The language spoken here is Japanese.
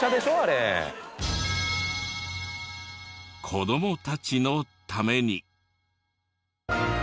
子どもたちのために。